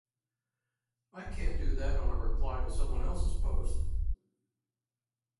I can’t do that to a reply on someone else’s post.